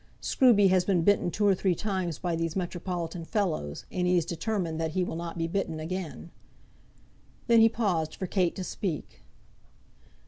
Scruby has been bitten two or three times by these metropolitan fellows, and he is determined that he will not be bitten again." Then he paused for Kate to speak.